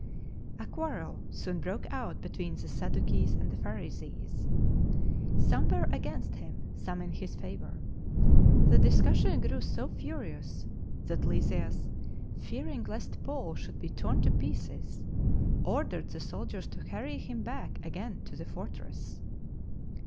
A quarrel soon broke out between the Sad ducees and the Pharisees. Some were against him, some in his favour. The discussion grew so furious that Lysias, fearing lest Paul should be torn to pieces, ordered the soldiers to carry him back again to the fortress.